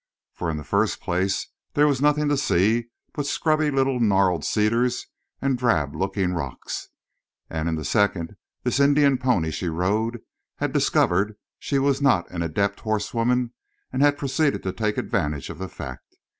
For in the first place there was nothing to see but scrubby little gnarled cedars and drab looking rocks; and in the second this Indian pony she rode had discovered she was not an adept horsewoman and had proceeded to take advantage of the fact.